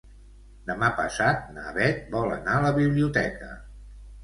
Demà passat na Beth vol anar a la biblioteca.